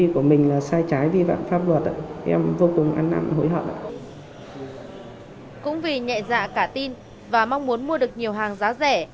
cũng vì nhẹ dạ cả tin và mong muốn mua được nhiều hàng giá rẻ